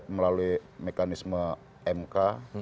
melalui mekanisme mk